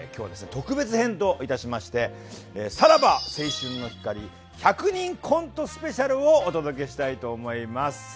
特別編といたしまして「さらば青春の光１００人コントＳＰ」をお届けしたいと思います。